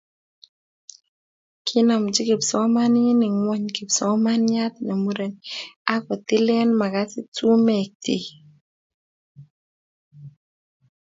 Konamji kipsomaninik ng'ony kipsomaniat ne muren akotilen magasit sumek chik.